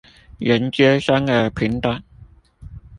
人皆生而平等